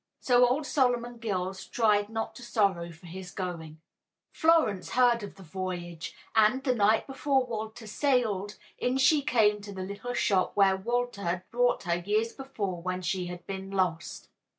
So old Solomon Gills tried not to sorrow for his going. Florence heard of the voyage, and, the night before Walter sailed, in she came to the little shop where Walter had brought her years before when she had been lost.